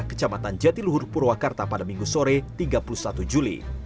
kecamatan jatiluhur purwakarta pada minggu sore tiga puluh satu juli